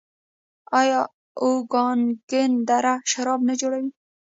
آیا اوکاناګن دره شراب نه جوړوي؟